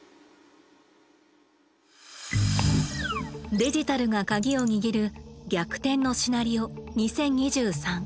「デジタルがカギを握る逆転のシナリオ２０２３」。